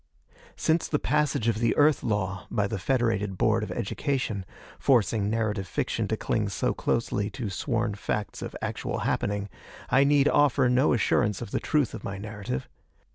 Since the passage of the Earth law by the Federated Board of Education, forcing narrative fiction to cling so closely to sworn facts of actual happening, I need offer no assurance of the truth of my narrative.